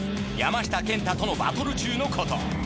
山下健太とのバトル中のこと